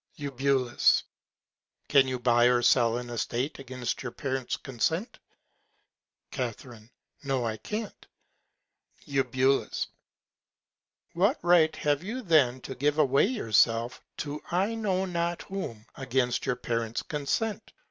Eu. Can you buy or sell an Estate against your Parents Consent? Ca. No, I can't. Eu. What Right have you then to give away yourself to I know not whom, against your Parents Consent?